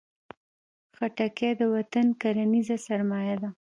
خټکی د وطن کرنیزه سرمایه ده.